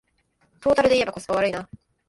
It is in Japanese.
トータルでいえばコスパ悪いな